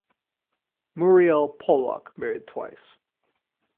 Muriel Pollock married twice.